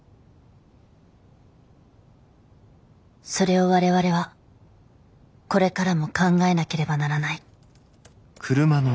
それを我々はこれからも考えなければならない。